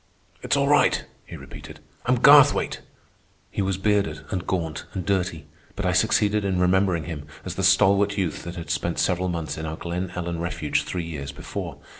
"It's all right," he repeated. "I'm Garthwaite." He was bearded and gaunt and dirty, but I succeeded in remembering him as the stalwart youth that had spent several months in our Glen Ellen refuge three years before.